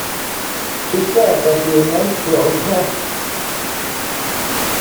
She said that you invented your own tests.